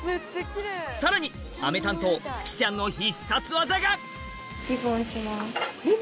さらに飴担当つきちゃんの必殺技が！